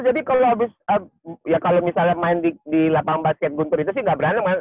jadi kalau misalnya main di lapangan basket guntur itu sih gak berantem kan